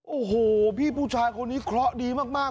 โอ้โหพี่ผู้ชายคนนี้เคราะห์ดีมาก